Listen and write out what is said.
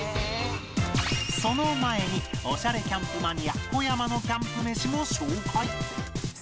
その前におしゃれキャンプマニア小山のキャンプ飯を紹介